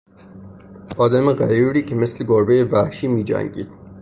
آدم غیوری که مثل گربهی وحشی میجنگید